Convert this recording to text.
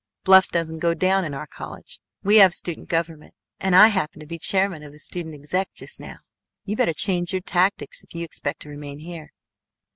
Bluff doesn't go down in our college. We have student government, and I happen to be chairman of the student exec. just now. You better change your tactics if you expect to remain here.